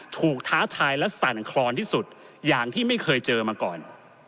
ท้าทายและสั่นคลอนที่สุดอย่างที่ไม่เคยเจอมาก่อน